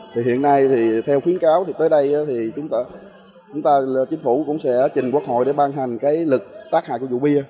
thì hiện nay thì theo khuyến cáo thì tới đây thì chúng ta chính phủ cũng sẽ trình quốc hội để ban hành cái lực tác hại của rượu bia